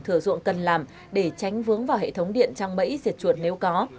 thừa ruộng cần làm để tránh vướng vào hệ thống điện trong bẫy diệt chuột nếu có